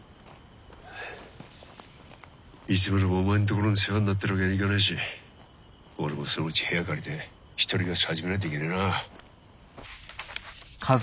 いつまでもお前んところに世話になってるわけにはいかないし俺もそのうち部屋借りて一人暮らし始めないといけねえな。